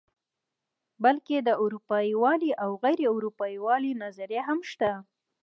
بلکې د اروپايي والي او غیر اروپايي والي نظریه هم شته.